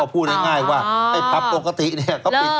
ก็พูดได้ง่ายว่าไอ้พับปกติก็ปิดกันตี๑